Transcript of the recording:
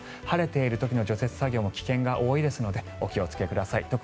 晴れている時の除雪作業も危険が多いですのでお気をつけください。